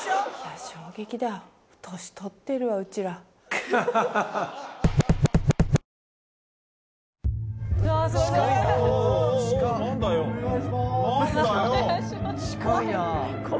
あっお願いします。